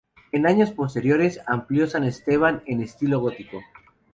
En años posteriores, amplió San Esteban en estilo gótico.